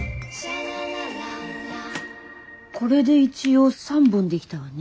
これで一応３本できたわね。